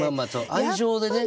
愛情でね。